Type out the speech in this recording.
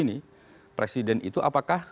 nih presiden itu apakah